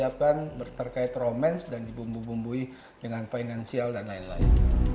dikombainlah dengan narasi narasi yang disiapkan berkait romans dan dibumbu bumbui dengan finansial dan lain lain